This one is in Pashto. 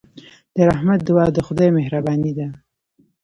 د رحمت دعا د خدای مهرباني ده.